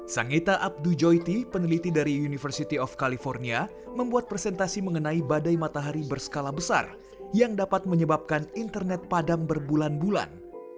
sangita abdujoyti peneliti dari university of california membuat presentasi mengenai badai matahari berskala besar yang dapat menyebabkan internet padam berbulan bulan